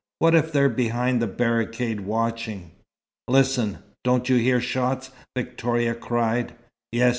"What if they're behind the barricade, watching?" "Listen! Don't you hear shots?" Victoria cried. "Yes.